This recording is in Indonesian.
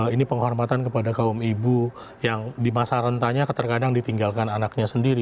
ini penghormatan kepada kaum ibu yang di masa rentanya terkadang ditinggalkan anaknya sendiri